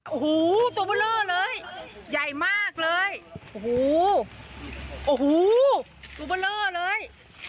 โอ้โหตัวเบลอเลยใหญ่มากเลยโอ้โหโอ้โหตัวเบลอเลย